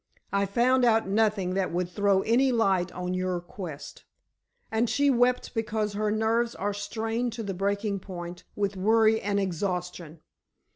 "I found out nothing that would throw any light on your quest, and she wept because her nerves are strained to the breaking point with worry and exhaustion."